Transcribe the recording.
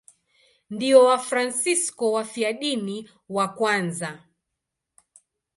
Ndio Wafransisko wafiadini wa kwanza.